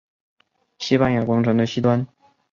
西班牙广场的西端。